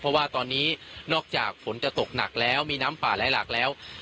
เพราะว่าตอนนี้นอกจากฝนจะตกหนักแล้วมีน้ำป่าไหลหลากแล้ว